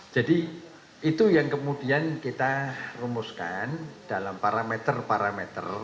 jadi itu yang kemudian kita rumuskan dalam parameter parameter